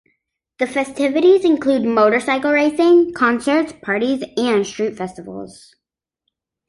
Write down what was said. The festivities include motorcycle racing, concerts, parties, and street festivals.